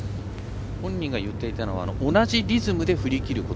本人が言っていたのは同じリズムで振り切ること